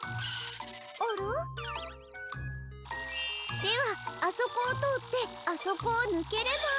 あら？ではあそこをとおってあそこをぬければ。